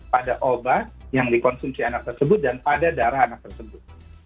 pada obat yang dikonsumsi anak tersebut dan pada darah anak tersebut